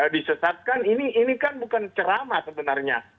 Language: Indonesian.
disesatkan ini kan bukan cerama sebenarnya